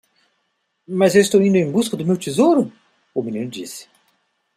"Mas eu estou indo em busca do meu tesouro?" o menino disse.